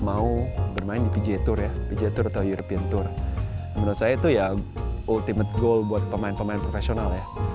mau bermain di pj tour ya pj tour atau european tour menurut saya itu ya ultimate goal buat pemain pemain profesional ya